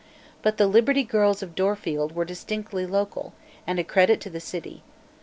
But the "Liberty Girls of Dorfield" were distinctly local and a credit to the city.